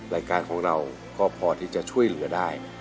รายการของเราก็พอที่จะช่วยเหลือได้